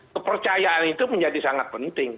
kepercayaan itu menjadi sangat penting